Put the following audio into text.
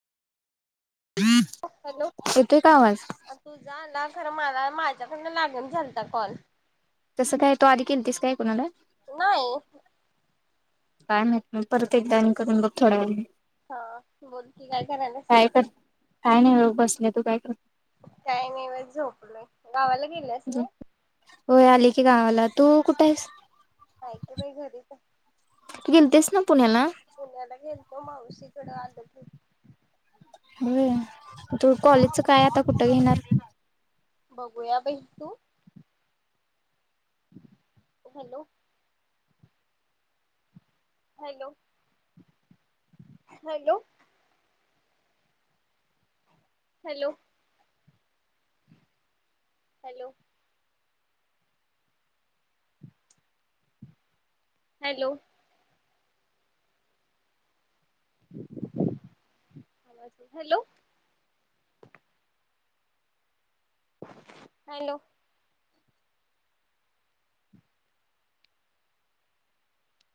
Hello येतोय का आवाज? तुझा आला खरं मला माझ्याकडन लागनं झालता कॉल तसं काय तो आधी केलतीस काय कुणाला? नाही. काय माहीत मग परत एकदा आणि करून बघ थोड्या वेळानी हा बोल की काय करायल्यास? कर काय नाही बघ बसले तू काय कर काय नाही बघ झोपलोय. गावाला गेल्यास कर होय? होय आली की गावाला तू कुठे आहेस? आहे की बाई घरीच. गेलतीस न्हव पुण्याला गेलतो मावशी कडं आलो की होय, तू कॉलेजच काय आता कुठं घेणार? बघूया बाई, तू? Hello hello, hello hello hello hello hello hello